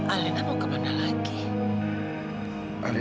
alena mau kemana lagi